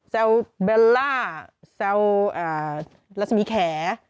แซวเบลล่าแซวรัศมีแข